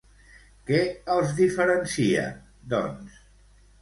Què els diferencia, doncs?